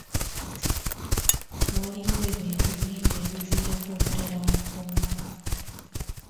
Waliwo ebintu bingi ebiviirako obutabanguko mu maka.